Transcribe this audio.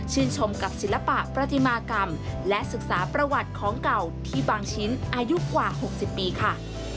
ชมกับศิลปะประติมากรรมและศึกษาประวัติของเก่าที่บางชิ้นอายุกว่า๖๐ปีค่ะ